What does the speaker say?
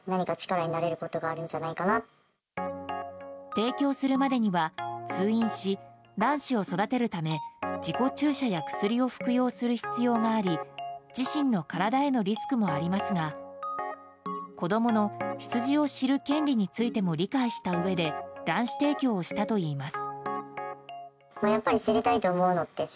提供するまでには、通院し卵子を育てるため自己注射や薬を服用する必要があり自身の体へのリスクもありますが子供の出自を知る権利についても理解したうえで卵子提供をしたといいます。